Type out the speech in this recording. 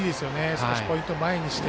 少しポイント前にして。